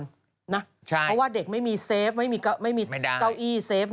เพราะว่าเด็กไม่มีเซฟไม่มีเก้าอี้เซฟ